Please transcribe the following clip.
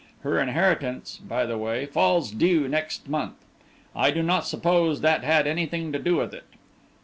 Her inheritance, by the way, falls due next month; I do not suppose that had anything to do with it.